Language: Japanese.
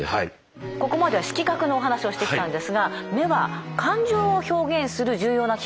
ここまでは色覚のお話をしてきたんですが目は感情を表現する重要な器官でもあります。